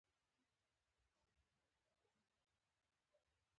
د پرمختګ راز په توازن کې دی.